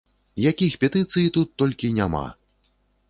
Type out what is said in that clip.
Якіх петыцый тут толькі няма!